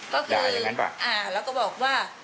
ก็คือแล้วก็บอกว่า